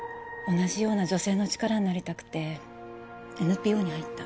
同じような女性の力になりたくてＮＰＯに入った。